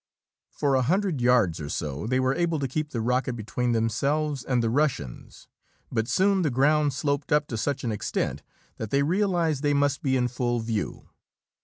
For a hundred yards or so they were able to keep the rocket between themselves and the Russians but soon the ground sloped up to such an extent that they realized they must be in full view.